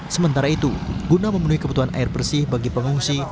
sementara itu guna memenuhi kebutuhan air bersih bagi pengungsi